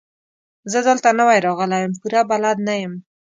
زه دلته نوی راغلی يم، پوره بلد نه يم.